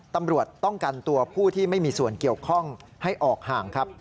ตำรวจต้องกันตัวผู้ที่ไม่มีส่วนเกี่ยวข้องให้ออกห่างครับ